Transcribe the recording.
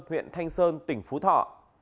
huyện thanh sơn tỉnh phú thọ